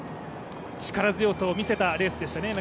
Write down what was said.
力強さを見せたレースでしたね。